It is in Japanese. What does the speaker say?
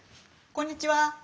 こんにちは。